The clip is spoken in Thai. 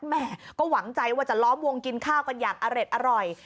แม่ก็หวังใจว่าจะล้อมวงกินข้าวกันอย่างอร็ดอร่อย